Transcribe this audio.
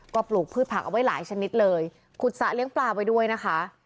ก็ปลูกพืชผักเอาไว้หลายชนิดเลยขุดสระเลี้ยงปลาไว้ด้วยนะคะ